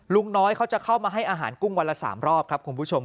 ลุงน้อยเขาจะเข้ามาให้อาหารกุ้งวันละ๓รอบครับคุณผู้ชม